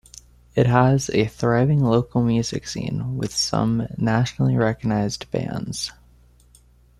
It has a thriving local music scene with some nationally recognized bands.